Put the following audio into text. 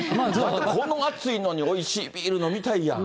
この暑いのに、おいしいビール飲みたいやん。